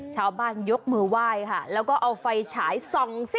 ชาวบ้านยกมือว่ายค่ะแล้วก็เอาไฟฉายทร่องสิ